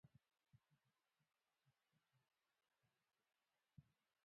خاوره د افغان ځوانانو د هیلو استازیتوب کوي.